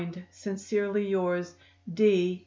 "Sincerely yours, "D.